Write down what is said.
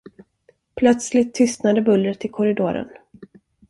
Plötsligt tystnade bullret i korridoren.